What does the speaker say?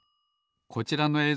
こちらのえい